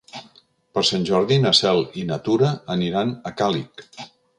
Per Sant Jordi na Cel i na Tura aniran a Càlig.